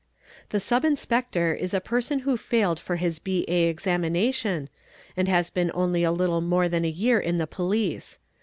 "The Sub Inspector is a person who failed for his B.A. Examination, and has been only a little more than a year in the Police.